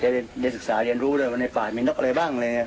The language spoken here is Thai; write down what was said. เด็กได้ศึกษาเรียนรู้ด้วยว่าในฝ่ายมีน็อกอะไรบ้าง